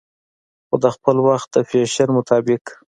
خو دخپل وخت د فېشن مطابق